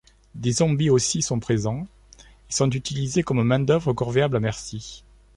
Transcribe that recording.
Des zombies aussi sont présents, et sont utilisés comme main d'œuvre corvéable à merci.